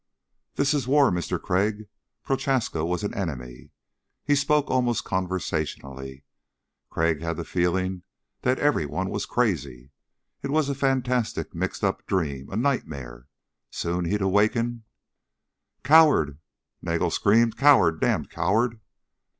"This is war, Mister Crag. Prochaska was an enemy." He spoke almost conversationally. Crag had the feeling that everyone was crazy. It was a fantastic mixed up dream, a nightmare. Soon he'd awaken.... "Coward!" Nagel screamed. "Coward damned coward!"